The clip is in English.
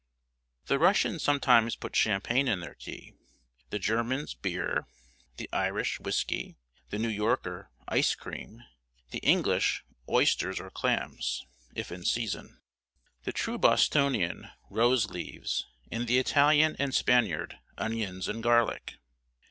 The Russians sometimes put champagne in their tea; the Germans, beer; the Irish, whiskey; the New Yorker, ice cream; the English, oysters, or clams, if in season; the true Bostonian, rose leaves; and the Italian and Spaniard, onions and garlic.